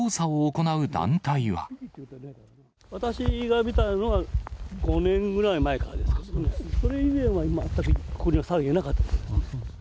私が見たのは、５年ぐらい前からですから、それ以前は、全くここにはサルはいなかったです。